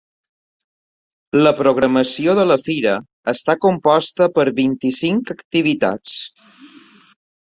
La programació de la fira està composta per vint-i-cinc activitats.